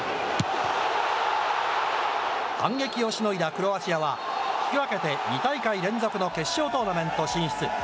反撃をしのいだクロアチアは引き分けて２大会連続の決勝トーナメント進出。